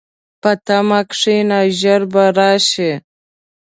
په تمه کښېنه، ژر به راشي.